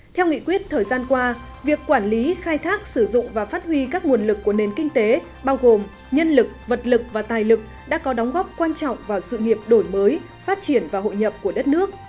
theo nghị quyết thời gian qua việc quản lý khai thác sử dụng và phát huy các nguồn lực của nền kinh tế bao gồm nhân lực vật lực và tài lực đã có đóng góp quan trọng vào sự nghiệp đổi mới phát triển và hội nhập của đất nước